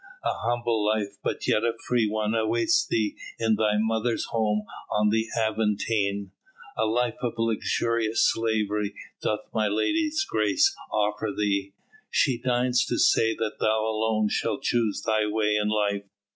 A humble life but yet a free one awaits thee in thy mother's home on the Aventine; a life of luxurious slavery doth my lady's grace offer thee. She deigns to say that thou alone shalt choose thy way in life.